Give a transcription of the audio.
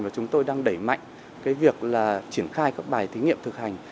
và chúng tôi đang đẩy mạnh việc triển khai các bài thí nghiệm thực hành